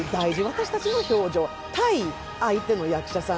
私たちの表情対す相手の役者さん。